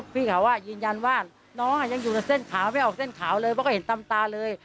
พี่เขายืนยันว่าน้องยังอยู่ในเส้นขาวไม่ออกเส้นขาวเลยเพราะก็เห็นตามตาเลย